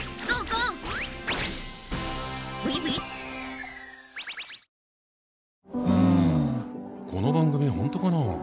この番組本当かな？